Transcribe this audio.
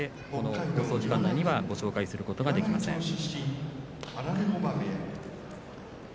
放送時間内にはご紹介することができません。